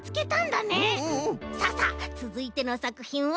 ささっつづいてのさくひんは？